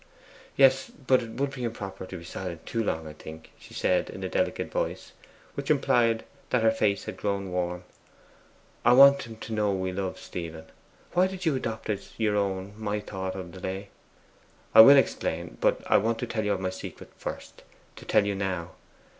'Yes; but it would be improper to be silent too long, I think,' she said in a delicate voice, which implied that her face had grown warm. 'I want him to know we love, Stephen. Why did you adopt as your own my thought of delay?' 'I will explain; but I want to tell you of my secret first to tell you now.